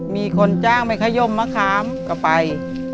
มีคนจ้างไปขยมมะขามก็ไป